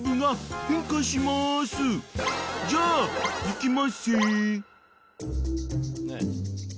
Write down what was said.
［じゃあいきまっせ］